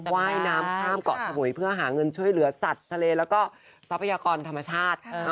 ว่ายน้ำข้ามเกาะสมุยเพื่อหาเงินช่วยเหลือสัตว์ทะเลแล้วก็ทรัพยากรธรรมชาติ